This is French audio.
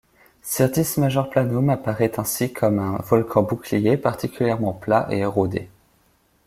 Syrtis Major Planum apparaît ainsi comme un volcan bouclier particulièrement plat et érodé.